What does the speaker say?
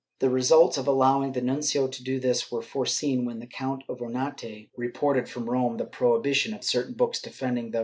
The results of allowing the nuncio to do this were foreseen when the Count of Ofiate reported from Rome the prohibition of certain books defending the regalias and, as • Catalan!